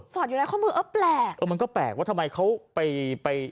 อดอยู่ในข้อมือเออแปลกเออมันก็แปลกว่าทำไมเขาไปไป